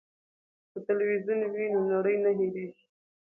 که تلویزیون وي نو نړۍ نه هیریږي.